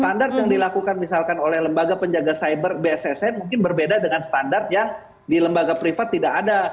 standar yang dilakukan misalkan oleh lembaga penjaga cyber bssn mungkin berbeda dengan standar yang di lembaga privat tidak ada